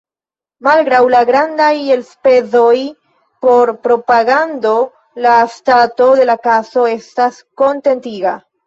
Malgraŭ la grandaj elspezoj por propagando, la stato de la kaso estas kontentiga.